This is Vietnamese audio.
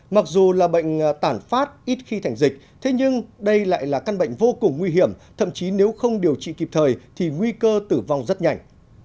mặc dù là bệnh tản phát ít khi thành dịch thế nhưng đây lại là căn bệnh vô cùng nguy hiểm thậm chí nếu không điều trị kịp thời thì nguy cơ tử vong rất nhanh